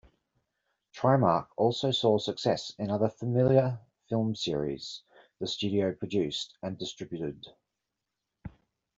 Trimark also saw success in other familiar film series the studio produced and distributed.